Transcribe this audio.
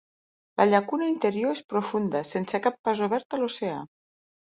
La llacuna interior és profunda sense cap pas obert a l'oceà.